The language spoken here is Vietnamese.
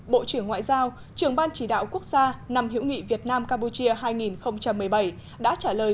bộ trưởng ngoại giao trưởng ban chỉ đạo quốc gia năm hữu nghị việt nam campuchia hai nghìn một mươi bảy đã trả lời